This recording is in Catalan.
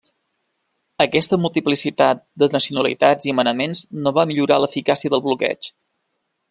Aquesta multiplicitat de nacionalitats i manaments no va millorar l'eficàcia del bloqueig.